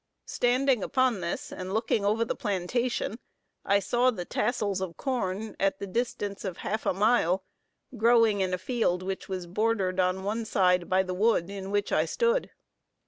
Standing upon this, and looking over the plantation, I saw the tassels of corn, at the distance of half a mile, growing in a field which was bordered on one side by the wood, in which I stood.